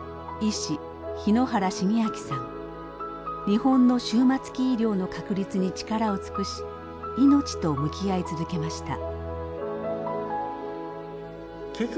日本の終末期医療の確立に力を尽くし命と向き合い続けました。